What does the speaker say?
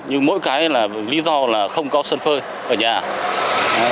nhưng mỗi cái là lý do là không có sân phơi ở nhà